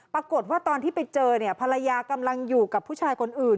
ปรากฏว่าตอนที่ไปเจอภรรยากำลังอยู่กับผู้ชายคนอื่น